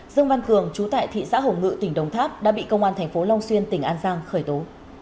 dương văn cường chú tại thị xã hồng ngự tỉnh đồng tháp đã bị công an thành phố long xuyên tỉnh an giang khởi tố